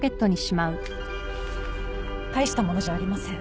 大したものじゃありません。